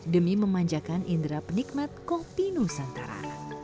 demi memanjakan indera penikmat kopi nusantara